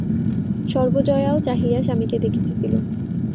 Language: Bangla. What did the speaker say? সর্বজয়াও চাহিয়া স্বামীকে দেখিতে ছিল।